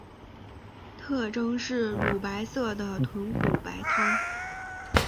特征是乳白色的豚骨白汤。